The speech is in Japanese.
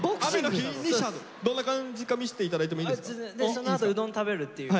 そのあとうどん食べるっていう。